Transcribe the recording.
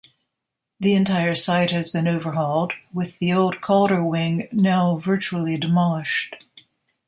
The entire site has been overhauled, with the old Calder Wing now virtually demolished.